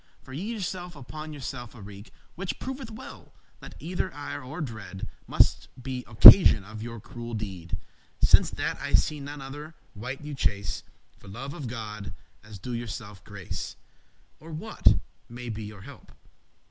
For ye yourself upon yourself awreak;* *inflict Which proveth well, that either ire or dread* *fear Must be occasion of your cruel deed, Since that I see none other wight you chase: For love of God, as *do yourselfe grace;* *have mercy on Or what may be your help?